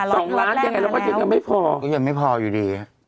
๒ล้านอ่ะ๒ล้านยังไงแล้วก็ยังไม่พอยังไม่พออยู่ดีครึ่งเดียว